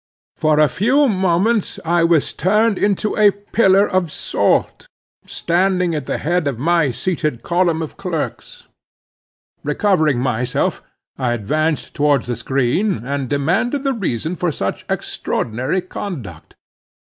For a few moments I was turned into a pillar of salt, standing at the head of my seated column of clerks. Recovering myself, I advanced towards the screen, and demanded the reason for such extraordinary conduct.